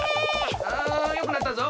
およくなったぞ。